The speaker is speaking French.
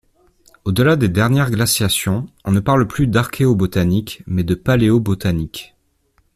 Au-delà des dernières glaciations, on ne parle plus d’archéobotanique, mais de paléobotanique.